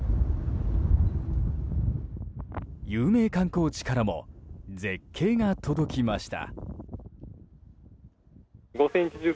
有名観光地からも絶景が届きました。